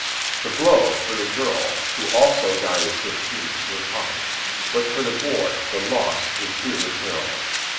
The blow for the girl, who also died at fifteen, was hard; but for the boy the loss was irreparable.